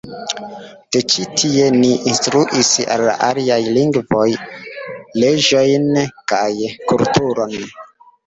De ĉi tie ni instruis al aliaj lingvon, leĝojn kaj kulturon.